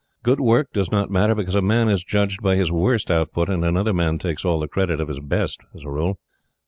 Good work does not matter, because a man is judged by his worst output and another man takes all the credit of his best as a rule.